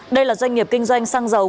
đây là doanh nghiệp kinh doanh xăng dầu